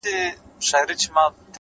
زحمت د هیلو اور ژوندی ساتي’